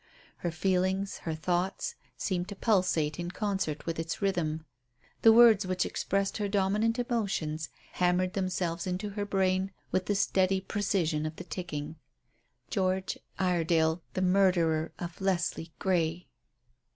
Her feelings, her thoughts, seemed to pulsate in concert with its rhythm. The words which expressed her dominant emotions hammered themselves into her brain with the steady precision of the ticking "George Iredale, the murderer of Leslie Grey!"